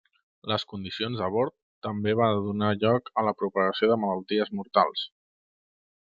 Les condicions a bord també va donar lloc a la propagació de malalties mortals.